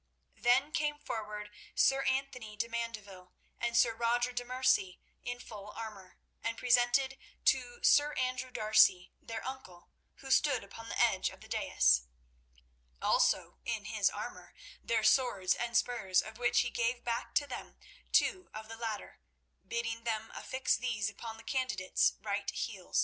Then came forward Sir Anthony de Mandeville and Sir Roger de Merci in full armour, and presented to Sir Andrew D'Arcy, their uncle, who stood upon the edge of the dais, also in his armour, their swords and spurs, of which he gave back to them two of the latter, bidding them affix these upon the candidates' right heels.